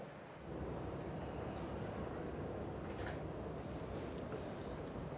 lihat aja tuh tadi sholatnya